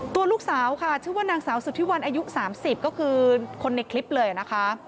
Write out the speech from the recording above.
ตัวลูกสาวค่ะชื่อว่านางสาวสุธิวันอายุ๓๐ก็คือคนในคลิปเลยนะคะ